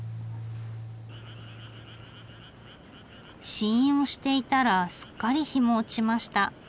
試飲をしていたらすっかり日も落ちました。